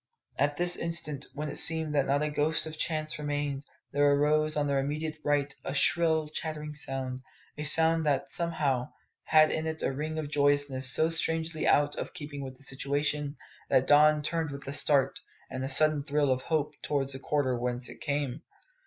At this instant, when it seemed that not a ghost of a chance remained, there arose on their immediate right a shrill chattering sound a sound that, somehow, had in it a ring of joyousness so strangely out of keeping with the situation that Don turned with a start and a sudden thrill of hope towards the quarter whence it came.